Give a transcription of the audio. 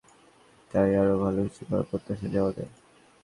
একটু আক্ষেপ থাকলেও আগামীবার তাই আরও ভালো কিছু করার প্রত্যাশা জাওয়াদের।